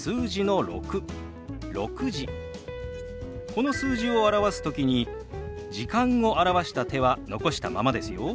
この数字を表す時に「時間」を表した手は残したままですよ。